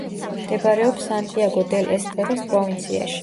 მდებარეობს სანტიაგო-დელ-ესტეროს პროვინციაში.